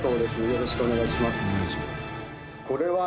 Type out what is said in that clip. よろしくお願いします。